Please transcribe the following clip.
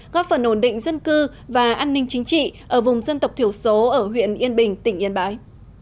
góp phần ổn định dân cư và an ninh chính trị ở vùng dân tộc thiểu số ở huyện yên bình tỉnh yên bái